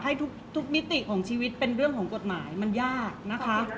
เพราะว่าสิ่งเหล่านี้มันเป็นสิ่งที่ไม่มีพยาน